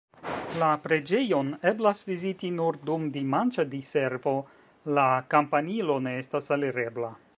La preĝejon eblas viziti nur dum dimanĉa diservo, la kampanilo ne estas alirebla.